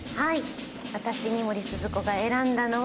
私三森すずこが選んだのは。